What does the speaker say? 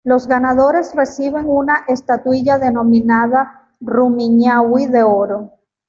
Los ganadores reciben una estatuilla denominada "Rumiñahui de Oro".